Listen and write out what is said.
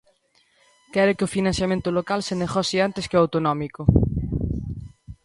Quere que o financiamento local se negocie antes que o autonómico.